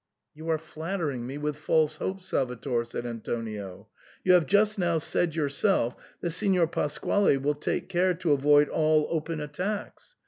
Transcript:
You are flattering me with false hopes, Salvator," said Antonio. " You have just now said yourself that Signor Pasquale will take care to avoid all open attacks.